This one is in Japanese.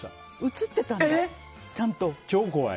写ってたんだ、ちゃんと。